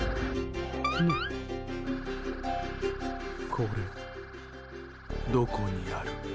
これどこにある？